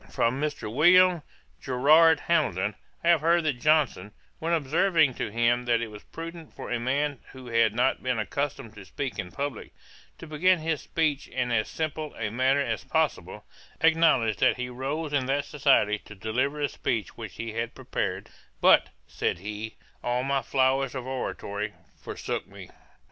From Mr. William Gerrard Hamilton I have heard that Johnson, when observing to him that it was prudent for a man who had not been accustomed to speak in publick, to begin his speech in as simple a manner as possible, acknowledged that he rose in that society to deliver a speech which he had prepared; 'but (said he), all my flowers of oratory forsook me.'